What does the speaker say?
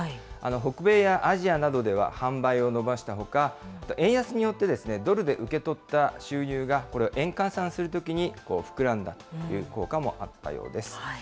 北米やアジアなどでは販売を伸ばしたほか、円安によって、ドルで受け取った収入が、円換算するときに膨らんだという効果もあったようです。